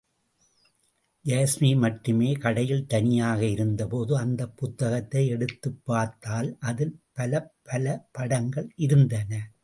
யாஸ்மி மட்டுமே கடையில் தனியாக இருந்தபோது அந்தப் புத்தகத்தை எடுத்துப் பார்த்தால் அதில் பலப் பல படங்கள் இருந்தன.